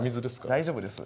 大丈夫です。